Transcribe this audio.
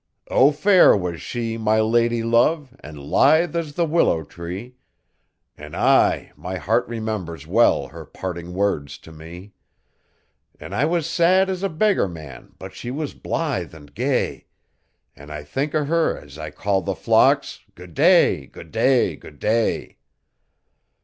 O fair was she my lady love an' lithe as the willow tree, An' aye my heart remembers well her parting words t' me. An' I was sad as a beggar man but she was blithe an' gay An' I think o' her as I call the flocks Go'day! Go'day! Go'day!